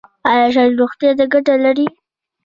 ایا شات روغتیا ته ګټه لري؟